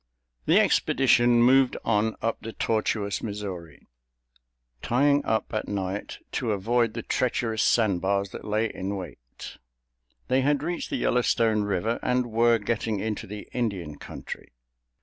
The expedition moved on up the tortuous Missouri, tying up at night to avoid the treacherous sandbars that lay in wait. They had reached the Yellowstone River, and were getting into the Indian Country.